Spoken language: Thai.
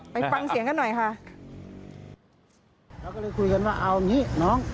ไปฟังเสียงกันหน่อยค่ะเราก็เลยคุยกันว่าเอาอย่างงี้น้อง